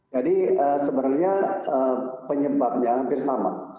jadi sebenarnya penyebabnya hampir sama